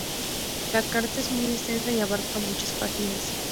La carta es muy extensa y abarca muchas páginas.